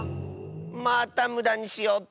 またむだにしおって！